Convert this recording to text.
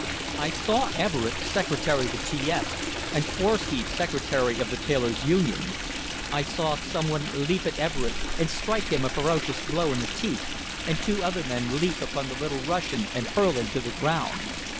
I saw Everett, secretary to T S, and Korwsky, secretary of the tailor's union; I saw some one leap at Everett and strike him a ferocious blow in the teeth, and two other men leap upon the little Russian and hurl him to the ground.